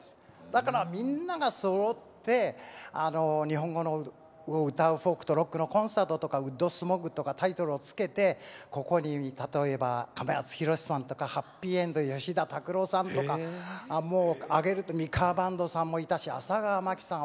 だからみんながそろって日本語を歌うフォークとロックのコンサートとか「ウッド・スモッグ」とかタイトルを付けてここに例えばかまやつひろしさんとかはっぴいえんど吉田拓郎さんとかもう挙げるとミカ・バンドさんもいたし浅川マキさん